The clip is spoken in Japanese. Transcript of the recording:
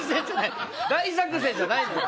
大作戦じゃないのよ